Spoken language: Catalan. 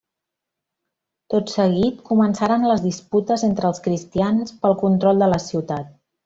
Tot seguit, començaren les disputes entre els cristians pel control de la ciutat.